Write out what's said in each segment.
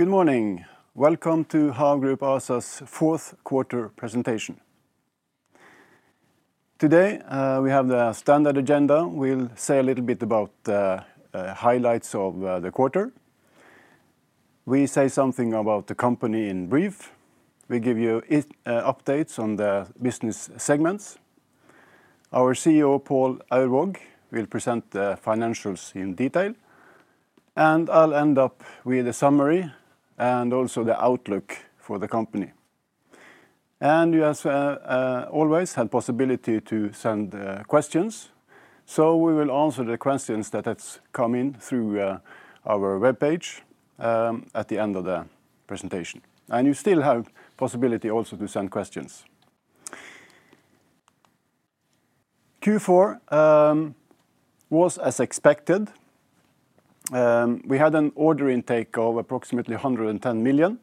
Good morning. Welcome to HAV Group Larsen's Q4 presentation. Today we have the standard agenda. We'll say a little bit about the highlights of the quarter. We say something about the company in brief. We give you updates on the business segments. Our CFO, Pål Aurvåg, will present the financials in detail. I'll end up with a summary and also the outlook for the company. You have always had the possibility to send questions, so we will answer the questions that come in through our web page at the end of the presentation. You still have the possibility also to send questions. Q4 was as expected. We had an order intake of approximately 110 million.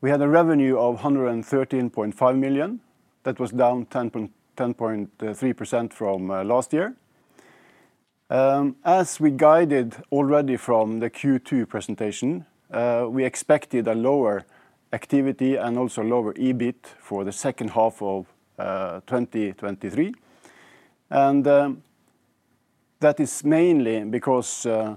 We had a revenue of 113.5 million. That was down 10.3% from last year. As we guided already from the Q2 presentation, we expected a lower activity and also lower EBIT for the second half of 2023. That is mainly because of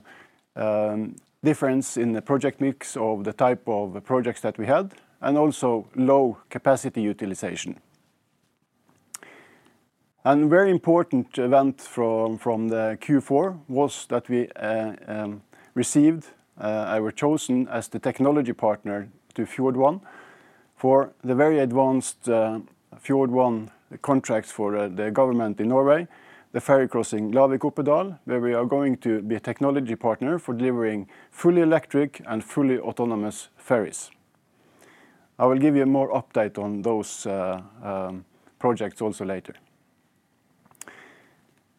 the difference in the project mix of the type of projects that we had and also low capacity utilization. A very important event from the Q4 was that we were chosen as the technology partner to Fjord1 for the very advanced Fjord1 contracts for the government in Norway, the ferry crossing Lavik-Oppedal, where we are going to be a technology partner for delivering fully electric and fully autonomous ferries. I will give you a more update on those projects also later.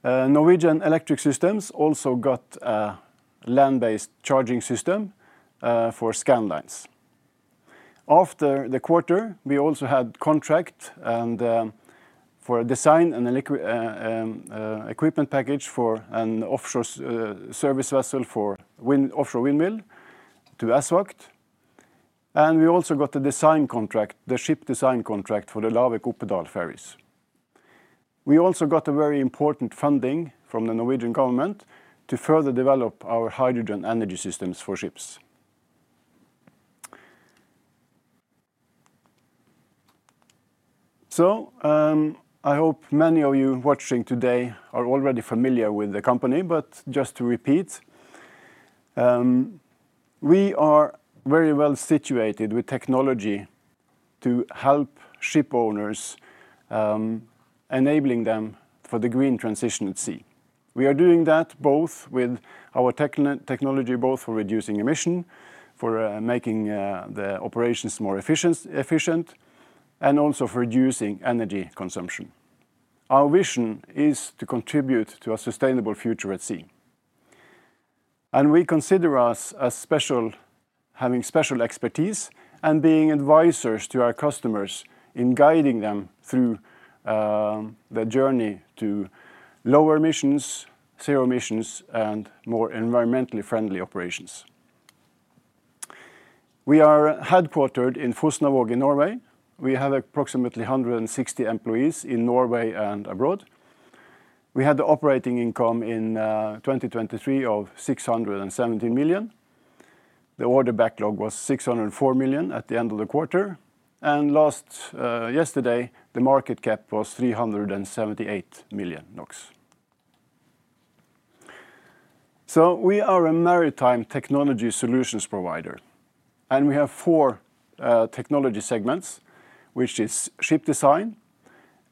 Norwegian Electric Systems also got a land-based charging system for Scandlines. After the quarter, we also had a contract for a design and equipment package for an offshore service vessel for an offshore windmill to ESVAGT. We also got the ship design contract for the Lavik-Oppedal ferries. We also got very important funding from the Norwegian government to further develop our hydrogen energy systems for ships. I hope many of you watching today are already familiar with the company. But just to repeat, we are very well situated with technology to help ship owners, enabling them for the green transition at sea. We are doing that both with our technology, both for reducing emission, for making the operations more efficient, and also for reducing energy consumption. Our vision is to contribute to a sustainable future at sea. We consider ourselves having special expertise and being advisors to our customers in guiding them through the journey to lower emissions, zero emissions, and more environmentally friendly operations. We are headquartered in Fosnavåg in Norway. We have approximately 160 employees in Norway and abroad. We had the operating income in 2023 of 617 million. The order backlog was 604 million at the end of the quarter. As of yesterday, the market cap was 378 million NOK. So we are a maritime technology solutions provider. We have four technology segments, which are ship design,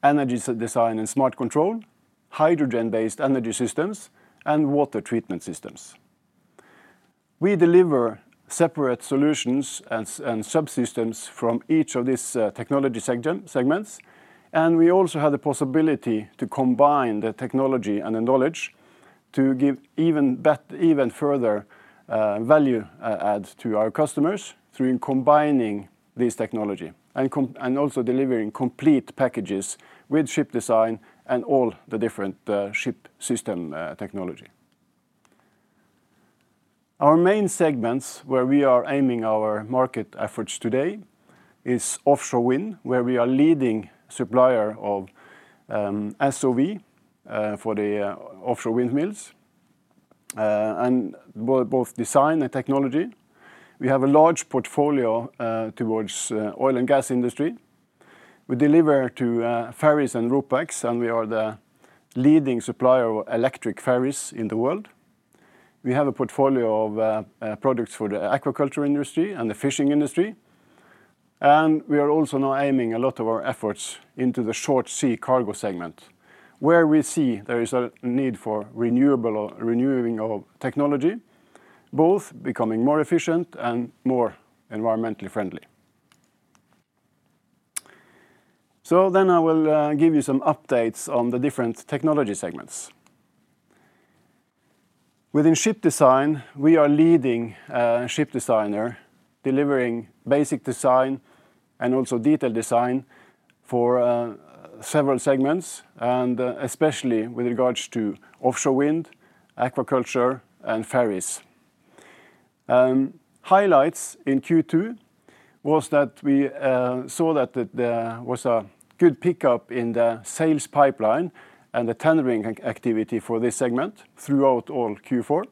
energy design and smart control, hydrogen-based energy systems, and water treatment systems. We deliver separate solutions and subsystems from each of these technology segments. We also have the possibility to combine the technology and the knowledge to give even further value add to our customers through combining this technology and also delivering complete packages with ship design and all the different ship system technology. Our main segments where we are aiming our market efforts today are offshore wind, where we are a leading supplier of SOV for the offshore windmills, and both design and technology. We have a large portfolio towards the oil and gas industry. We deliver to ferries and RoPax, and we are the leading supplier of electric ferries in the world. We have a portfolio of products for the aquaculture industry and the fishing industry. We are also now aiming a lot of our efforts into the short-sea cargo segment, where we see there is a need for renewing of technology, both becoming more efficient and more environmentally friendly. So then I will give you some updates on the different technology segments. Within ship design, we are a leading ship designer, delivering basic design and also detailed design for several segments, and especially with regards to offshore wind, aquaculture, and ferries. Highlights in Q2 were that we saw that there was a good pickup in the sales pipeline and the tendering activity for this segment throughout all Q4.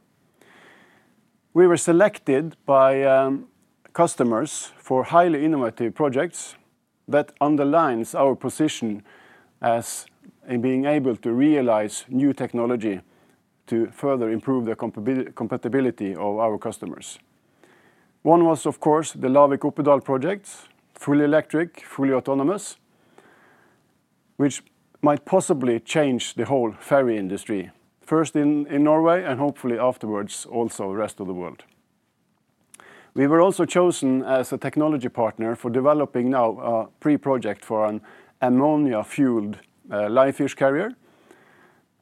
We were selected by customers for highly innovative projects. That underlines our position as being able to realize new technology to further improve the compatibility of our customers. One was, of course, the Lavik-Oppedal projects, fully electric, fully autonomous, which might possibly change the whole ferry industry, first in Norway and hopefully afterwards also the rest of the world. We were also chosen as a technology partner for developing now a pre-project for an ammonia-fueled live fish carrier.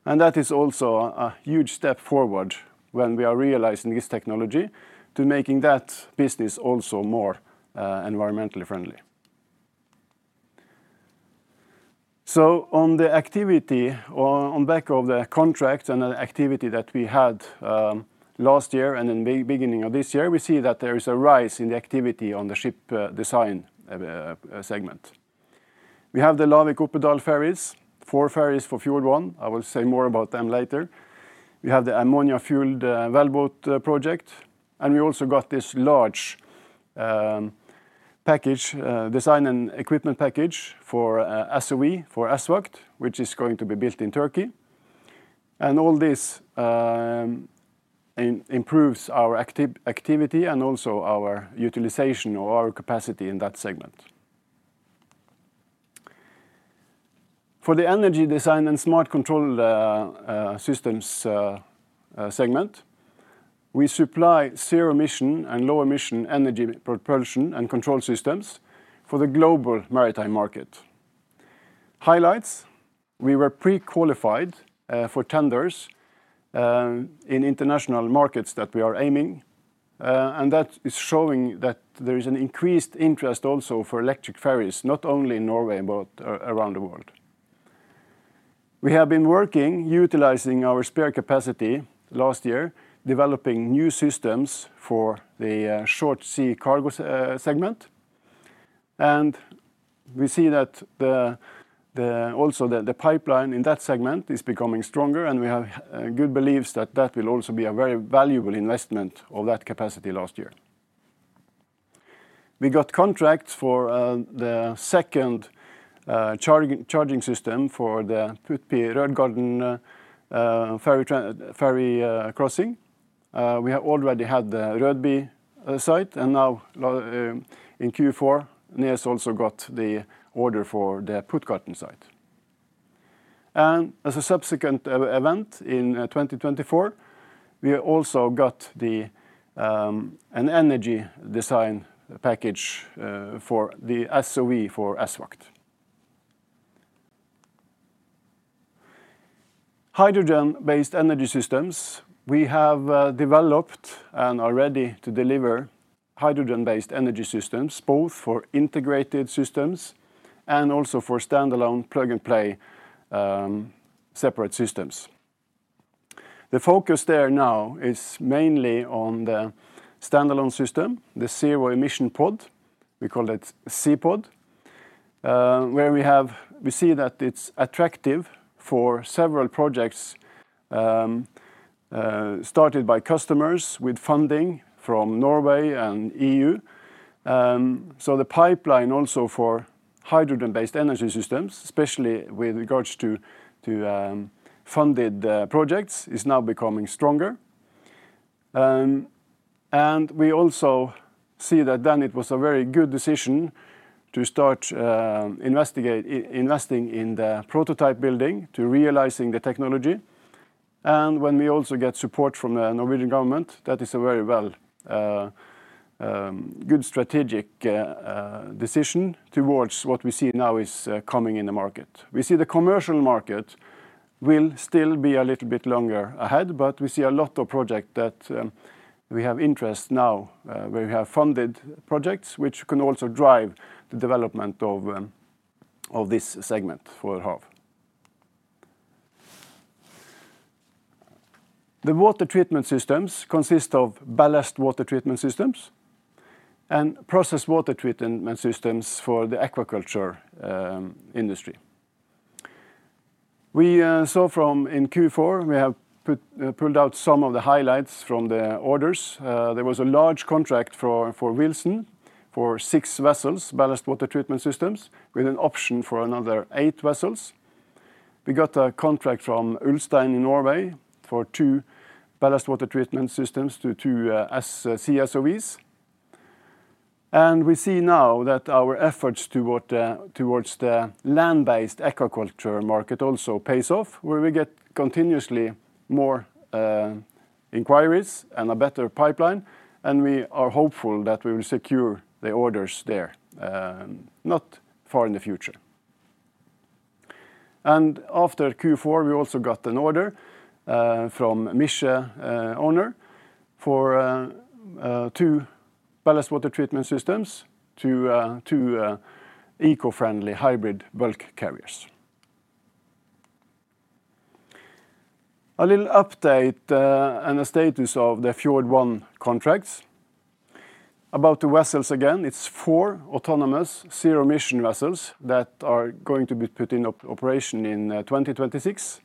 And that is also a huge step forward when we are realizing this technology to making that business also more environmentally friendly. So on the activity on the back of the contract and the activity that we had last year and then the beginning of this year, we see that there is a rise in the activity on the ship design segment. We have the Lavik-Oppedal ferries, four ferries for Fjord1. I will say more about them later. We have the ammonia-fueled wellboat project. We also got this large design and equipment package for SOV for ESVAGT, which is going to be built in Turkey. All this improves our activity and also our utilization of our capacity in that segment. For the energy design and smart control systems segment, we supply zero-emission and low-emission energy propulsion and control systems for the global maritime market. Highlights: we were pre-qualified for tenders in international markets that we are aiming. That is showing that there is an increased interest also for electric ferries, not only in Norway but around the world. We have been working, utilizing our spare capacity last year, developing new systems for the short-sea cargo segment. We see that also the pipeline in that segment is becoming stronger. We have good beliefs that that will also be a very valuable investment of that capacity last year. We got contracts for the second charging system for the Puttgarden-Rødby ferry crossing. We have already had the Rødby site. Now in Q4, NEAS also got the order for the Puttgarden site. As a subsequent event in 2024, we also got an energy design package for the SOV for ESVAGT. Hydrogen-based energy systems: we have developed and are ready to deliver hydrogen-based energy systems, both for integrated systems and also for standalone plug-and-play separate systems. The focus there now is mainly on the standalone system, the zero-emission pod. We call it C-Pod, where we see that it's attractive for several projects started by customers with funding from Norway and EU. So the pipeline also for hydrogen-based energy systems, especially with regards to funded projects, is now becoming stronger. We also see that then it was a very good decision to start investing in the prototype building, to realizing the technology. When we also get support from the Norwegian government, that is a very good strategic decision towards what we see now is coming in the market. We see the commercial market will still be a little bit longer ahead. But we see a lot of projects that we have interest in now, where we have funded projects which can also drive the development of this segment for HAV. The water treatment systems consist of ballast water treatment systems and processed water treatment systems for the aquaculture industry. We saw from in Q4, we have pulled out some of the highlights from the orders. There was a large contract for Wilson for 6 vessels, ballast water treatment systems, with an option for another 8 vessels. We got a contract from Ulstein in Norway for two ballast water treatment systems to two CSOVs. We see now that our efforts towards the land-based aquaculture market also pay off, where we get continuously more inquiries and a better pipeline. We are hopeful that we will secure the orders there, not far in the future. After Q4, we also got an order from Misje, owner, for two ballast water treatment systems to two eco-friendly hybrid bulk carriers. A little update and a status of the Fjord1 contracts. About the vessels again, it's four autonomous, zero-emission vessels that are going to be put into operation in 2026.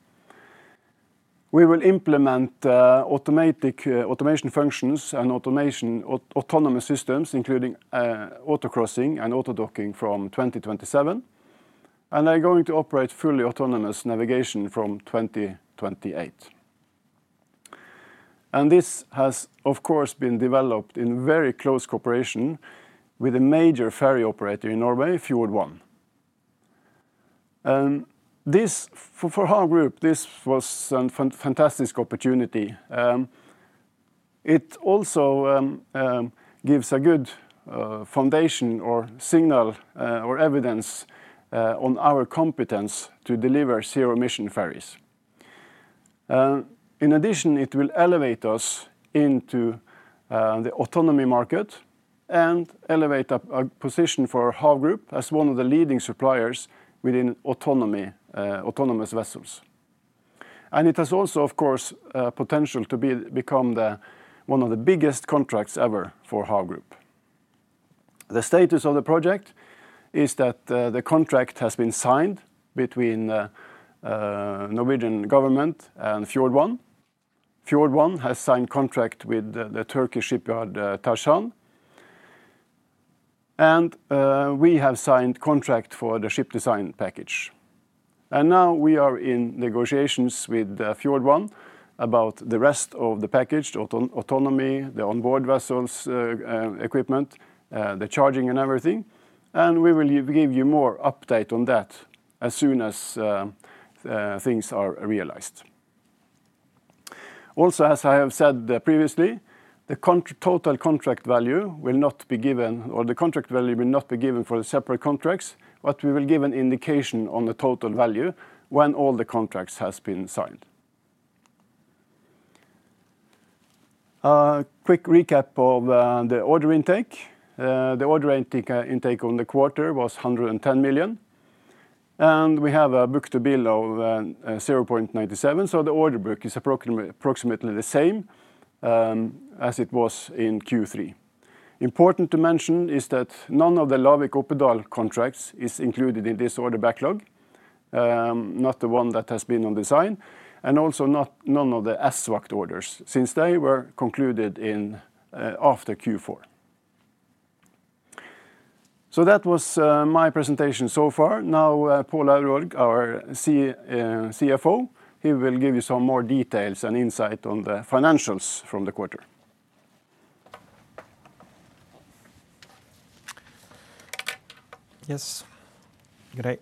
We will implement automation functions and autonomous systems, including autocrossing and autodocking, from 2027. They're going to operate fully autonomous navigation from 2028. This has, of course, been developed in very close cooperation with a major ferry operator in Norway, Fjord1. For HAV Group, this was a fantastic opportunity. It also gives a good foundation or signal or evidence on our competence to deliver zero-emission ferries. In addition, it will elevate us into the autonomy market and elevate a position for HAV Group as one of the leading suppliers within autonomous vessels. It has also, of course, potential to become one of the biggest contracts ever for HAV Group. The status of the project is that the contract has been signed between the Norwegian government and Fjord1. Fjord1 has signed contract with the Turkish shipyard Tersan. We have signed contract for the ship design package. Now we are in negotiations with Fjord1 about the rest of the package, the autonomy, the onboard vessels equipment, the charging, and everything. We will give you more update on that as soon as things are realized. Also, as I have said previously, the total contract value will not be given or the contract value will not be given for the separate contracts, but we will give an indication on the total value when all the contracts have been signed. A quick recap of the order intake. The order intake on the quarter was 110 million. We have a book-to-bill of 0.97. The order book is approximately the same as it was in Q3. Important to mention is that none of the Lavik-Oppedal contracts is included in this order backlog, not the one that has been on design, and also none of the ESVAGT orders since they were concluded after Q4. That was my presentation so far. Now, Pål Aurvåg, our CFO, he will give you some more details and insight on the financials from the quarter. Yes. Great.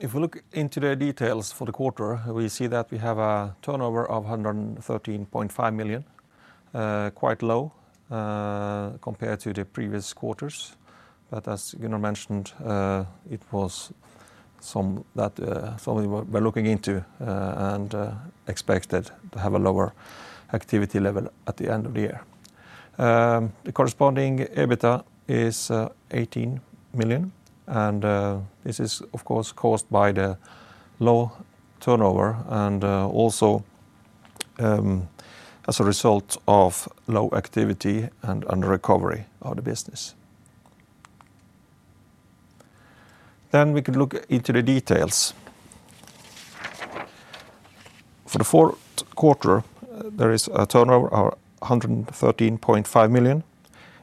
If we look into the details for the quarter, we see that we have a turnover of 113.5 million, quite low compared to the previous quarters. But as Gunnar mentioned, it was something we were looking into and expected to have a lower activity level at the end of the year. The corresponding EBITDA is 18 million. And this is, of course, caused by the low turnover and also as a result of low activity and under-recovery of the business. Then we could look into the details. For the Q4, there is a turnover of 113.5 million,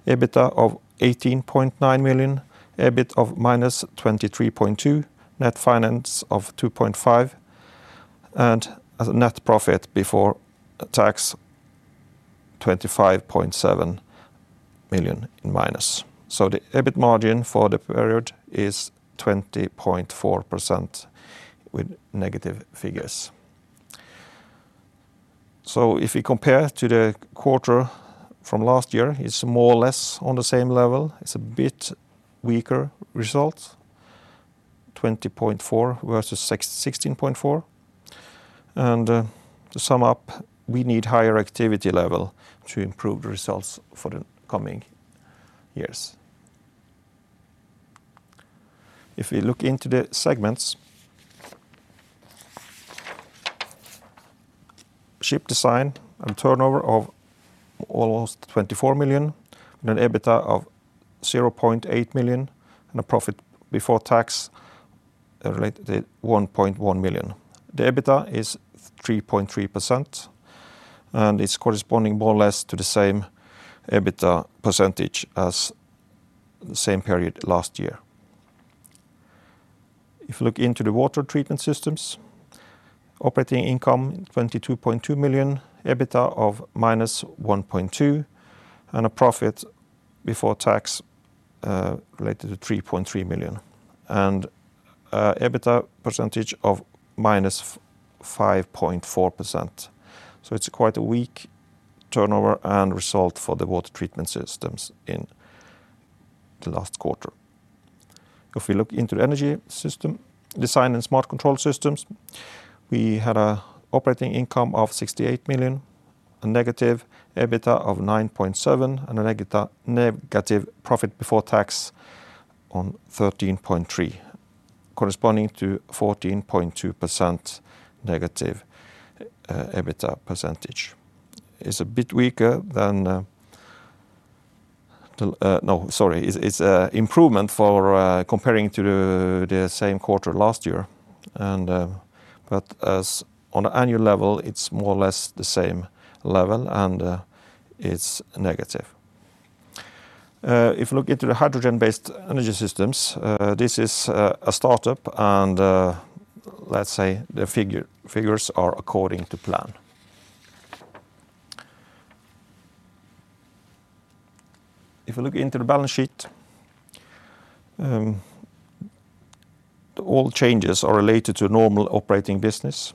EBITDA of 18.9 million, EBIT of -23.2 million, net finance of 2.5 million, and net profit before tax of -25.7 million. So the EBIT margin for the period is 20.4% with negative figures. So if we compare to the quarter from last year, it's more or less on the same level. It's a bit weaker result, 20.4% versus 16.4%. And to sum up, we need a higher activity level to improve the results for the coming years. If we look into the segments, ship design and turnover of almost 24 million and an EBITDA of 0.8 million and a profit before tax related to 1.1 million. The EBITDA is 3.3%. And it's corresponding more or less to the same EBITDA percentage as the same period last year. If we look into the water treatment systems, operating income 22.2 million, EBITDA of -1.2 million, and a profit before tax related to 3.3 million, and EBITDA percentage of -5.4%. So it's quite a weak turnover and result for the water treatment systems in the last quarter. If we look into the energy system design and smart control systems, we had an operating income of 68 million, a negative EBITDA of 9.7 million, and a negative profit before tax of 13.3 million, corresponding to 14.2% negative EBITDA percentage. It's a bit weaker than no, sorry. It's an improvement comparing to the same quarter last year. But on an annual level, it's more or less the same level. And it's negative. If we look into the hydrogen-based energy systems, this is a startup. And let's say the figures are according to plan. If we look into the balance sheet, all changes are related to normal operating business,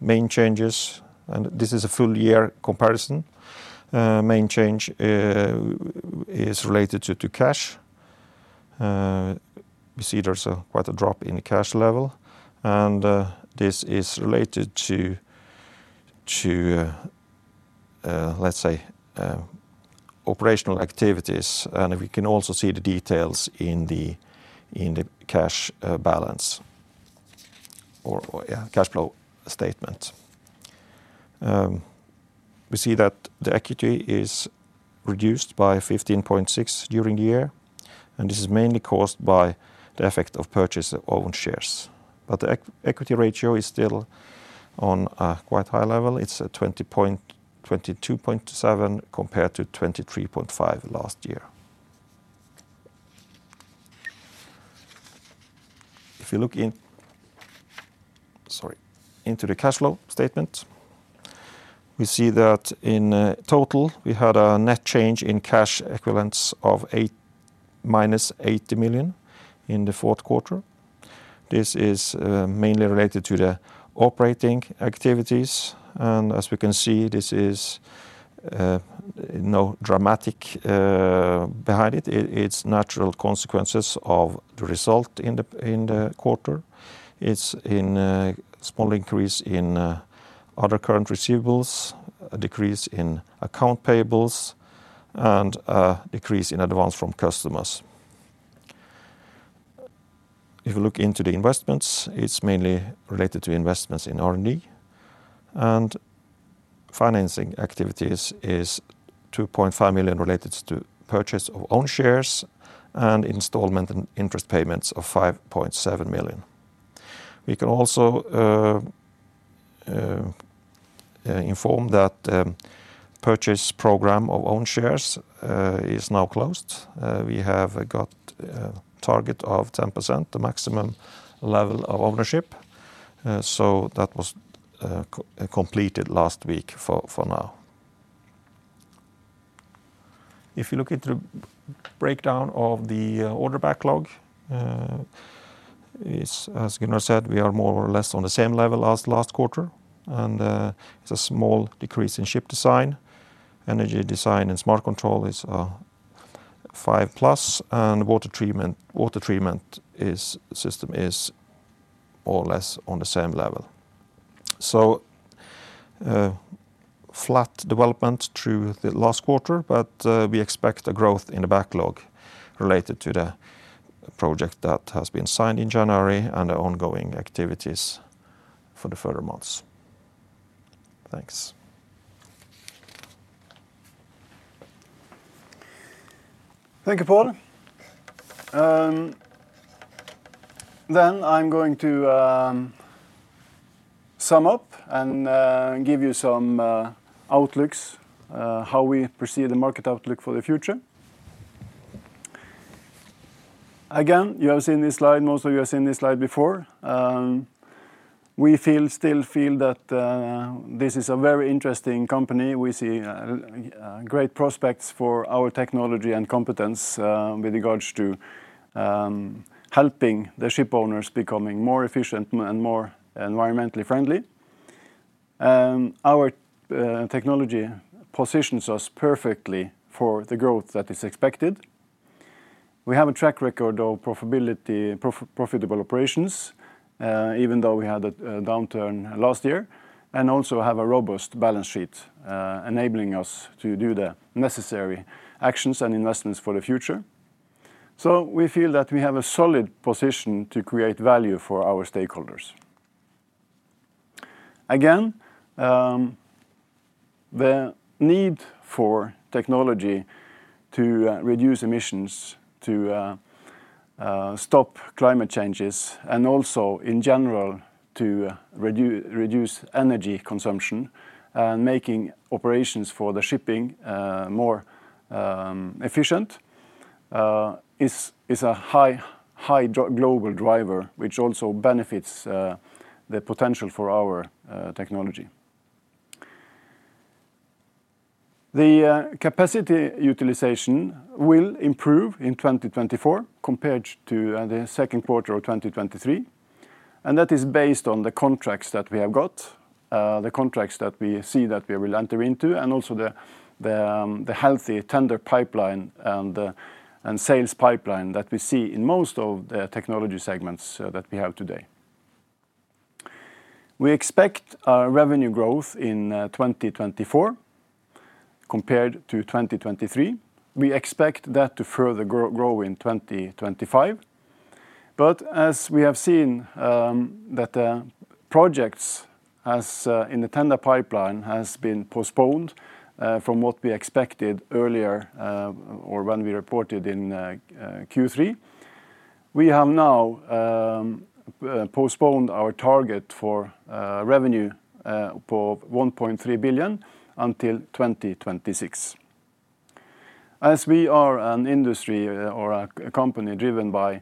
main changes. And this is a full-year comparison. Main change is related to cash. We see there's quite a drop in cash level. This is related to, let's say, operational activities. We can also see the details in the cash balance or cash flow statement. We see that the equity is reduced by 15.6 million during the year. This is mainly caused by the effect of purchase of own shares. But the equity ratio is still on a quite high level. It's 22.7% compared to 23.5% last year. If you look into the cash flow statement, we see that in total, we had a net change in cash equivalents of -80 million in the Q4. This is mainly related to the operating activities. As we can see, there's nothing dramatic behind it. It's natural consequences of the result in the quarter. It's a small increase in other current receivables, a decrease in accounts payable, and a decrease in advance from customers. If we look into the investments, it's mainly related to investments in R&D. Financing activities is 2.5 million related to purchase of own shares and installment and interest payments of 5.7 million. We can also inform that the purchase program of own shares is now closed. We have got a target of 10%, the maximum level of ownership. So that was completed last week for now. If you look into the breakdown of the order backlog, as Gunnar said, we are more or less on the same level as last quarter. It's a small decrease in ship design. Energy design and smart control is 5+. Water treatment system is more or less on the same level. Flat development through the last quarter. But we expect a growth in the backlog related to the project that has been signed in January and the ongoing activities for the further months. Thanks. Thank you, Pål. Then I'm going to sum up and give you some outlooks, how we perceive the market outlook for the future. Again, you have seen this slide. Most of you have seen this slide before. We still feel that this is a very interesting company. We see great prospects for our technology and competence with regards to helping the shipowners becoming more efficient and more environmentally friendly. Our technology positions us perfectly for the growth that is expected. We have a track record of profitable operations, even though we had a downturn last year, and also have a robust balance sheet enabling us to do the necessary actions and investments for the future. We feel that we have a solid position to create value for our stakeholders. Again, the need for technology to reduce emissions, to stop climate changes, and also, in general, to reduce energy consumption and making operations for the shipping more efficient is a high global driver, which also benefits the potential for our technology. The capacity utilization will improve in 2024 compared to the Q2 of 2023. That is based on the contracts that we have got, the contracts that we see that we will enter into, and also the healthy tender pipeline and sales pipeline that we see in most of the technology segments that we have today. We expect revenue growth in 2024 compared to 2023. We expect that to further grow in 2025. But as we have seen that the projects in the tender pipeline have been postponed from what we expected earlier or when we reported in Q3, we have now postponed our target for revenue of 1.3 billion until 2026. As we are an industry or a company driven by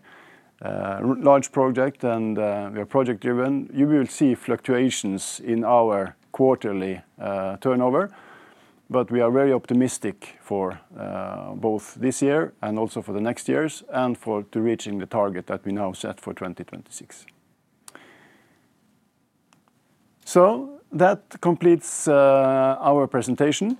large projects and we are project-driven, you will see fluctuations in our quarterly turnover. But we are very optimistic for both this year and also for the next years and for reaching the target that we now set for 2026. So that completes our presentation.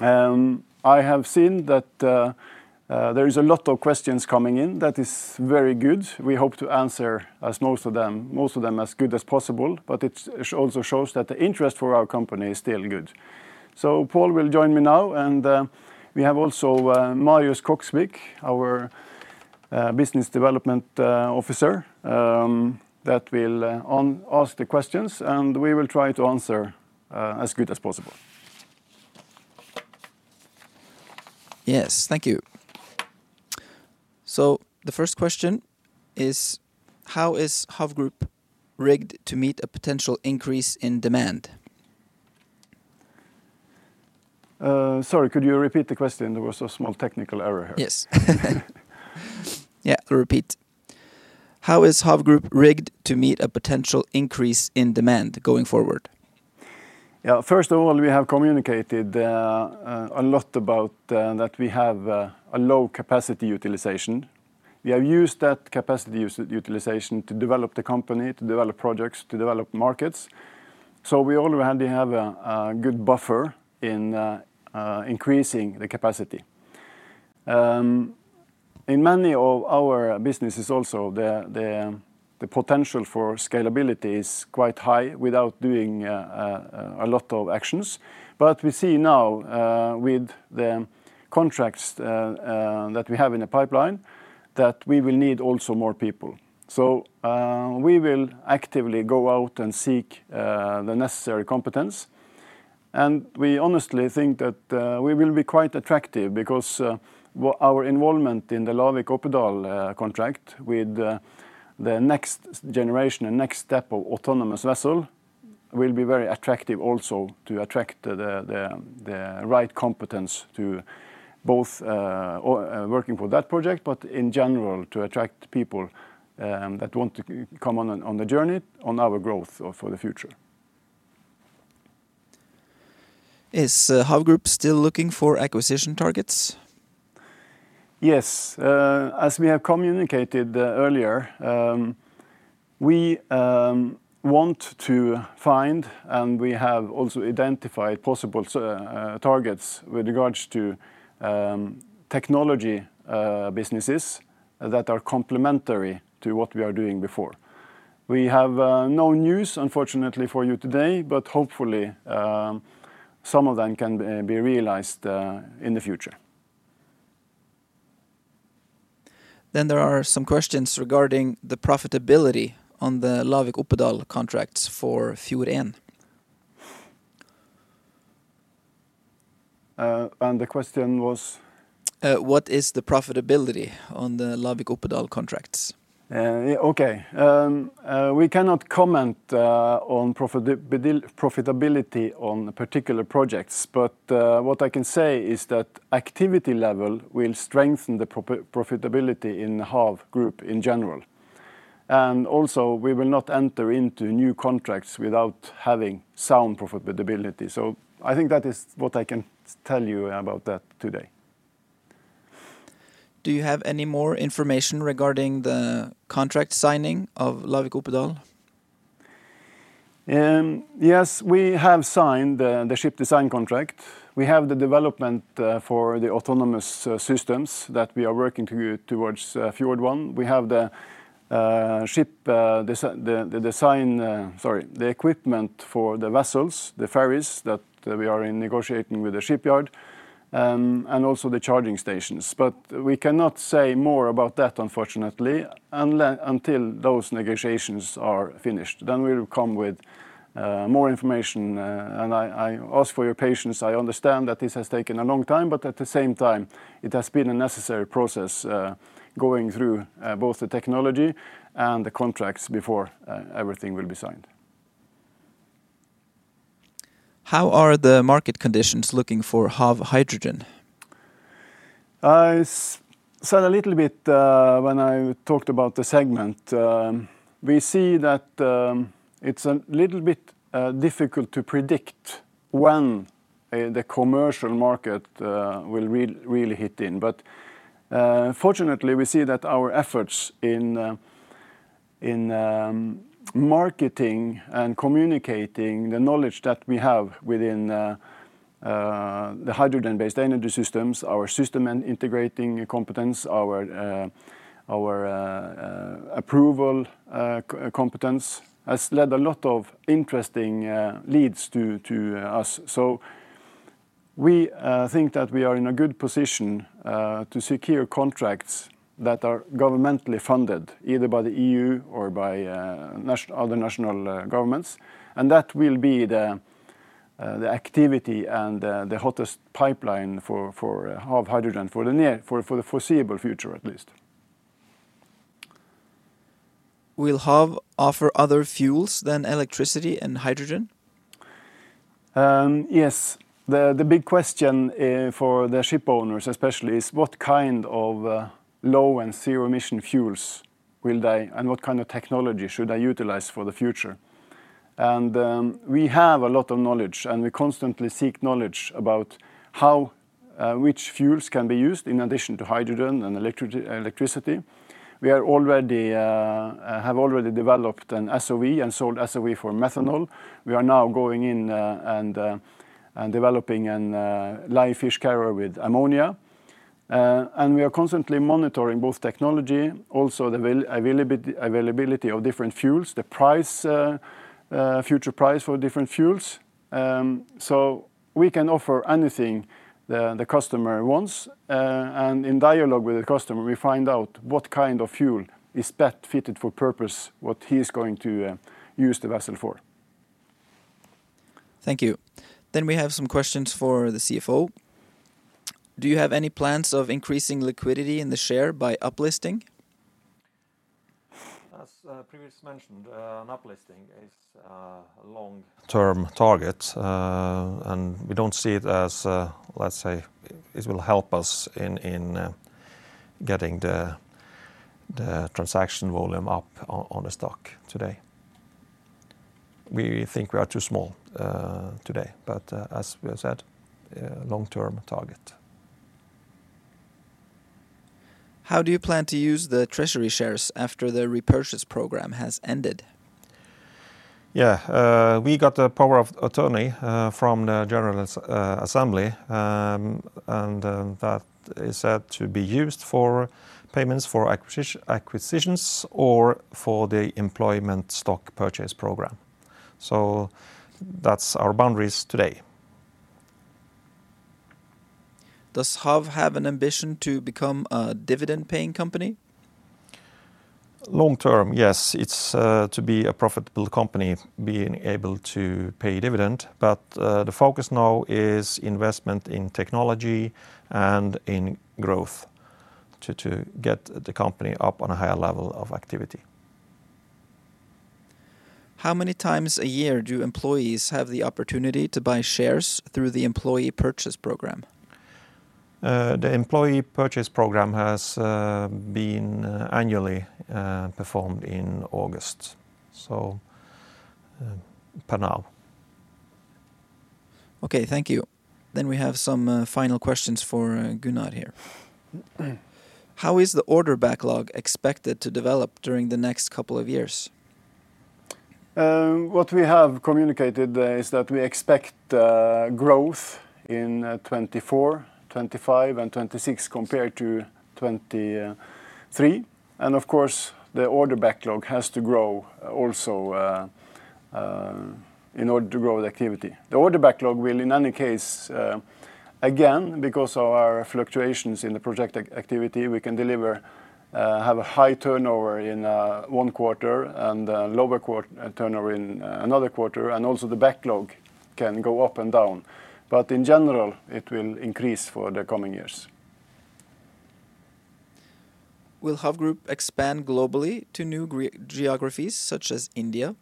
I have seen that there is a lot of questions coming in. That is very good. We hope to answer most of them as good as possible. But it also shows that the interest for our company is still good. So Pål will join me now. We have also Marius Koksvik, our Business Development Officer, that will ask the questions. We will try to answer as good as possible. Yes. Thank you. So the first question is, how is HAV Group rigged to meet a potential increase in demand? Sorry. Could you repeat the question? There was a small technical error here. Yes. Yeah. Repeat. How is HAV Group rigged to meet a potential increase in demand going forward? Yeah. First of all, we have communicated a lot about that we have a low capacity utilization. We have used that capacity utilization to develop the company, to develop projects, to develop markets. So we already have a good buffer in increasing the capacity. In many of our businesses also, the potential for scalability is quite high without doing a lot of actions. But we see now with the contracts that we have in the pipeline that we will need also more people. So we will actively go out and seek the necessary competence. We honestly think that we will be quite attractive because our involvement in the Lavik-Oppedal contract with the next generation, the next step of autonomous vessel will be very attractive also to attract the right competence to both working for that project, but in general, to attract people that want to come on the journey on our growth for the future. Is HAV Group still looking for acquisition targets? Yes. As we have communicated earlier, we want to find and we have also identified possible targets with regards to technology businesses that are complementary to what we are doing before. We have no news, unfortunately, for you today. Hopefully, some of them can be realized in the future. Then there are some questions regarding the profitability on the Lavik-Oppedal contracts for Fjord1. The question was? What is the profitability on the Lavik-Oppedal contracts? Okay. We cannot comment on profitability on particular projects. But what I can say is that activity level will strengthen the profitability in HAV Group in general. And also, we will not enter into new contracts without having sound profitability. So I think that is what I can tell you about that today. Do you have any more information regarding the contract signing of Lavik-Oppedal? Yes. We have signed the ship design contract. We have the development for the autonomous systems that we are working towards Fjord1. We have the ship design sorry, the equipment for the vessels, the ferries that we are negotiating with the shipyard, and also the charging stations. But we cannot say more about that, unfortunately, until those negotiations are finished. Then we will come with more information. And I ask for your patience. I understand that this has taken a long time. But at the same time, it has been a necessary process going through both the technology and the contracts before everything will be signed. How are the market conditions looking for HAV Hydrogen? I said a little bit when I talked about the segment. We see that it's a little bit difficult to predict when the commercial market will really hit in. But fortunately, we see that our efforts in marketing and communicating the knowledge that we have within the hydrogen-based energy systems, our system integrating competence, our approval competence has led a lot of interesting leads to us. So we think that we are in a good position to secure contracts that are governmentally funded, either by the EU or by other national governments. That will be the activity and the hottest pipeline for HAV Hydrogen for the foreseeable future, at least. Will HAV offer other fuels than electricity and hydrogen? Yes. The big question for the shipowners, especially, is what kind of low and zero-emission fuels will they and what kind of technology should they utilize for the future. We have a lot of knowledge. We constantly seek knowledge about which fuels can be used in addition to hydrogen and electricity. We have already developed an SOV and sold SOV for methanol. We are now going in and developing a live fish carrier with ammonia. We are constantly monitoring both technology, also the availability of different fuels, the future price for different fuels. So we can offer anything the customer wants. In dialogue with the customer, we find out what kind of fuel is best fitted for purpose, what he is going to use the vessel for. Thank you. Then we have some questions for the CFO. Do you have any plans of increasing liquidity in the share by uplisting? As previously mentioned, an uplisting is a long-term target. We don't see it as, let's say, it will help us in getting the transaction volume up on the stock today. We think we are too small today. As we have said, long-term target. How do you plan to use the treasury shares after the repurchase program has ended? Yeah. We got the power of attorney from the General Assembly. That is set to be used for payments for acquisitions or for the employment stock purchase program. That's our boundaries today. Does HAV have an ambition to become a dividend-paying company? Long-term, yes. It's to be a profitable company, being able to pay dividend. But the focus now is investment in technology and in growth to get the company up on a higher level of activity. How many times a year do employees have the opportunity to buy shares through the employee purchase program? The employee purchase program has been annually performed in August, so per now. Okay. Thank you. Then we have some final questions for Gunnar here. How is the order backlog expected to develop during the next couple of years? What we have communicated is that we expect growth in 2024, 2025, and 2026 compared to 2023. And of course, the order backlog has to grow also in order to grow the activity. The order backlog will, in any case, again, because of our fluctuations in the project activity, we can have a high turnover in one quarter and a lower turnover in another quarter. And also, the backlog can go up and down. But in general, it will increase for the coming years. Will HAV Group expand globally to new geographies such as India?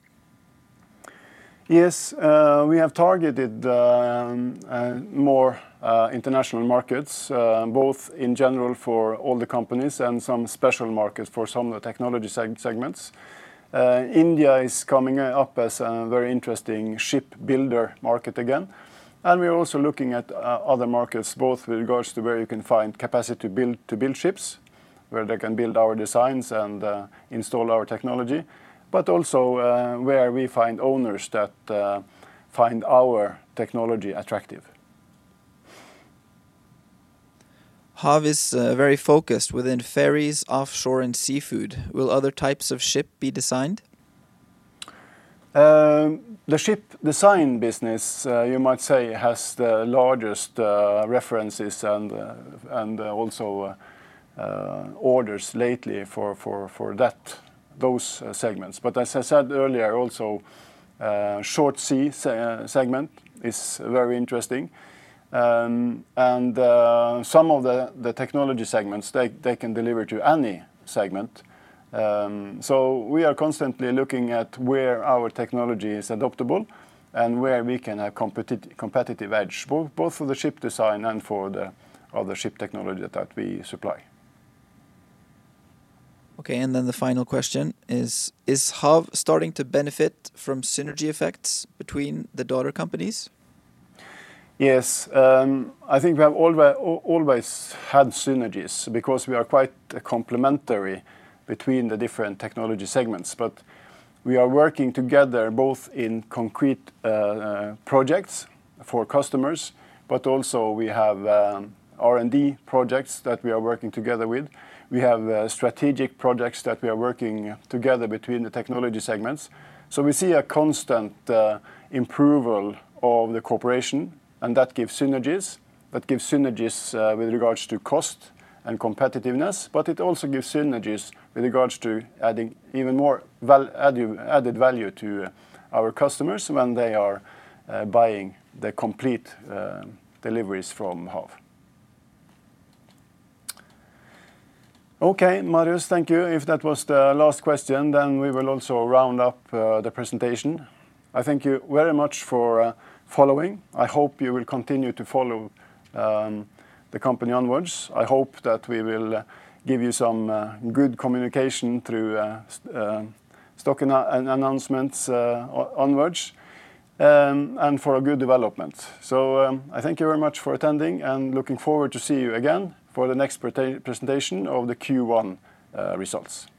Yes. We have targeted more international markets, both in general for all the companies and some special markets for some technology segments. India is coming up as a very interesting shipbuilder market again. We are also looking at other markets, both with regards to where you can find capacity to build ships, where they can build our designs and install our technology, but also where we find owners that find our technology attractive. HAV is very focused within ferries, offshore, and seafood. Will other types of ship be designed? The ship design business, you might say, has the largest references and also orders lately for those segments. But as I said earlier, also, short-sea segment is very interesting. And some of the technology segments, they can deliver to any segment. So we are constantly looking at where our technology is adoptable and where we can have competitive edge, both for the ship design and for the other ship technology that we supply. Okay. And then the final question is, is HAV starting to benefit from synergy effects between the daughter companies? Yes. I think we have always had synergies because we are quite complementary between the different technology segments. But we are working together both in concrete projects for customers. But also, we have R&D projects that we are working together with. We have strategic projects that we are working together between the technology segments. So we see a constant improvement of the cooperation. And that gives synergies. That gives synergies with regards to cost and competitiveness. But it also gives synergies with regards to adding even more added value to our customers when they are buying the complete deliveries from HAV. Okay. Marius, thank you. If that was the last question, then we will also round up the presentation. I thank you very much for following. I hope you will continue to follow the company onwards. I hope that we will give you some good communication through stock announcements onwards and for a good development. So I thank you very much for attending and looking forward to seeing you again for the next presentation of the Q1 results.